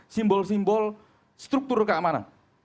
simbol simbol struktur keamanan